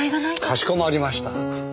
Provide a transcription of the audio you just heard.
かしこまりました。